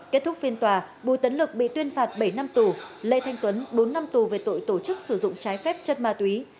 kết thúc phiên tòa bùi tấn lực bị tuyên phạt bảy năm tù lê thanh tuấn bốn năm tù về tội tổ chức sử dụng trái phép chất ma túy